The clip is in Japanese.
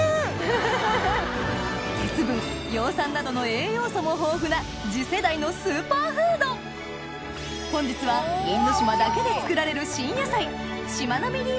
鉄分葉酸などの栄養素も豊富な次世代のスーパーフード本日はさらにキレイ！